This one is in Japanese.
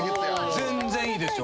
全然いいですよ。